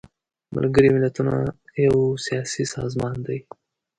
ملګري ملتونه یو سیاسي سازمان دی.